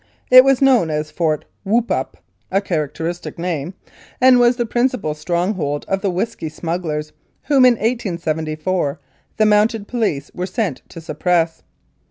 It was known as " Fort Whoop up " (a characteristic name), and was the principal stronghold of the whisky smugglers, whom in 1874 the Mounted Police were sent to suppress.